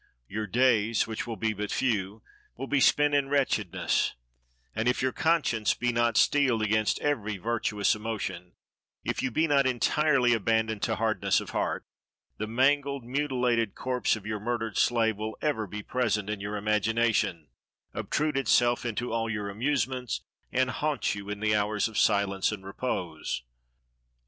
Your days, which will be but few, will be spent in wretchedness; and, if your conscience be not steeled against every virtuous emotion, if you be not entirely abandoned to hardness of heart, the mangled, mutilated corpse of your murdered slave will ever be present in your imagination, obtrude itself into all your amusements, and haunt you in the hours of silence and repose.